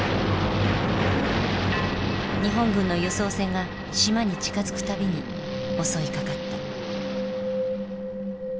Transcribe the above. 日本軍の輸送船が島に近づく度に襲いかかった。